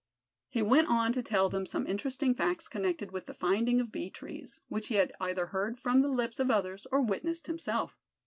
He went on to tell them some interesting facts connected with the finding of bee trees, which he had either heard from the lips of others, or witnessed himself.